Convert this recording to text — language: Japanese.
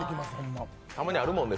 たまにあるもんね